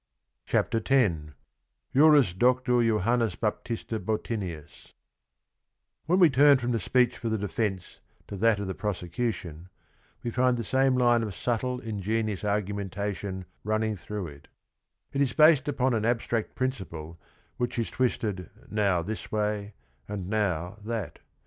CHAPTER X JUBIS DOCTOR JOHANNES BAPTISTA BOTTINIUS When we t urn from the speech for the defen ce to that of the prosecution, we fin d_ the same lin e of subfle TTngenious argumentation running throu gh it^ It is based upon an abstract principle which is twisted now this way, and now t hat.